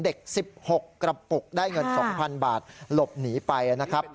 ๑๖กระปุกได้เงิน๒๐๐๐บาทหลบหนีไปนะครับ